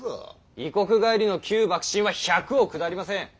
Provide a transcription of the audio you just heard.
異国帰りの旧幕臣は百をくだりません。